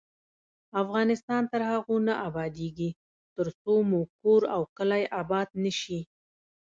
افغانستان تر هغو نه ابادیږي، ترڅو مو کور او کلی اباد نشي.